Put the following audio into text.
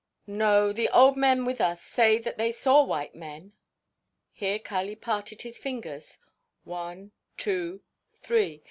"No, the old men with us say that they saw white men, (here Kali parted his fingers) one, two, three.